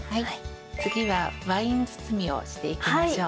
次はワイン包みをしていきましょう。